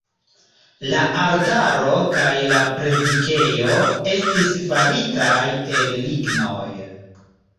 La altaro kaj la predikejo estis faritaj el lignoj.